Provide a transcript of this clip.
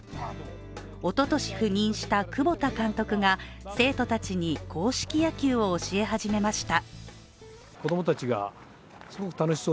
おととし赴任した久保田監督が生徒たちに硬式野球を教え始めました。